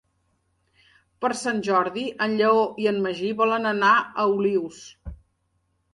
Per Sant Jordi en Lleó i en Magí volen anar a Olius.